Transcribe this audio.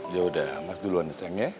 yaudah mas duluan ya sayang ya